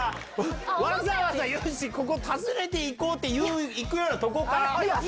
わざわざ、ここ訪ねていこうって行くようなとこか？